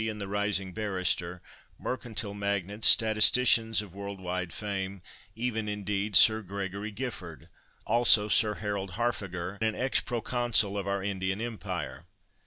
and the rising barrister, mercantile magnates, statisticians of world wide fame, even, indeed, Sir Gregory Gifford, also Sir Harold Harfager, an ex Proconsul of our Indian empire.